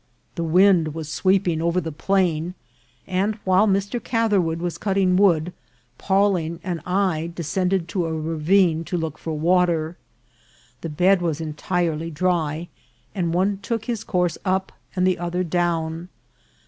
The wind was sweeping over the plain, and while Mr. Gather wood was cutting wood, Pawling and I descended to a ravine to look for water. The bed was entirely dry, and one took his course up and the other down.